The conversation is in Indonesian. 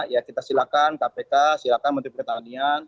ya kita silakan kpk silakan menteri pertanian